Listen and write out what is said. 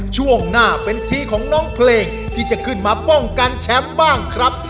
ช่วงหน้าเป็นทีของน้องเพลงที่จะขึ้นมาป้องกันแชมป์บ้างครับ